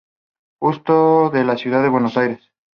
Justo, de la ciudad de Buenos Aires.